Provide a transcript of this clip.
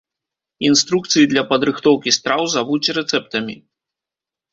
Інструкцыі для падрыхтоўкі страў завуць рэцэптамі.